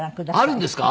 あるんですか？